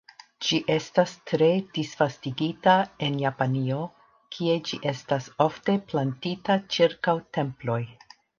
Ĝi estas tre disvastigita en Japanio, kie ĝi estas ofte plantita ĉirkaŭ temploj.